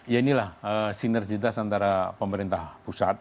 ya inilah sinergitas antara pemerintah pusat